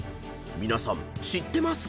皆さん知ってますか？］